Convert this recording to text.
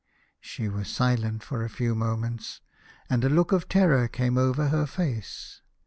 She was silent for a few moments, and a look of terror came over her face.